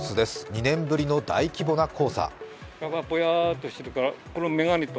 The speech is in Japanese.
２年ぶりの大規模な黄砂。